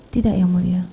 tidak yang mulia